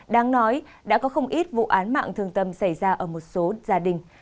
đáng nói đã có không ít vụ án mạng thường tâm xảy ra ở một số gia đình